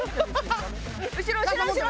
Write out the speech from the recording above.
後ろ後ろ後ろ！